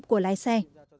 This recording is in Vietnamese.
của lái xe